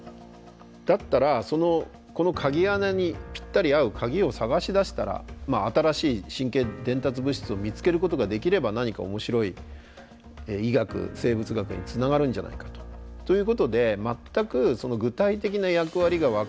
だったらこの鍵穴にぴったり合う鍵を探し出したら新しい神経伝達物質を見つけることができれば何か面白い医学生物学につながるんじゃないかと。ということで全く具体的な役割が分からない